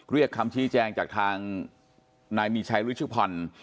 เรียกคำชี้แจงจากทางนายมีชายรู้ชื่อผ่อน